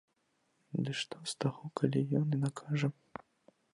Ды што з таго, калі ён і накажа?